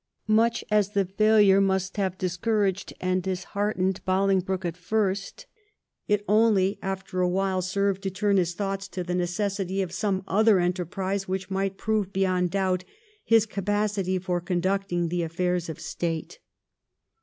Much as the failure must have dis 80 THE EEIGN OF QUEEN ANNE. ch. xxiv. couraged and disheartened Bolingbroke at first, it only, after a while, served to turn his thoughts to the necessity of some other enterprise which might prove beyond doubt his capacity for conducting the aflFairs of State.